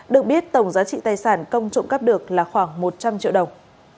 được biết tổng giá trị tài sản công trộm cắp được là khoảng một trăm linh triệu đồng